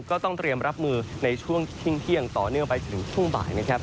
ก็ต้องเตรียมรับมือในช่วงเที่ยงต่อเนื่องไปถึงช่วงบ่ายนะครับ